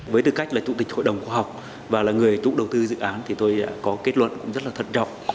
với tư cách là chủ tịch hội đồng khoa học và là người chủ đầu tư dự án thì tôi có kết luận cũng rất là thận trọng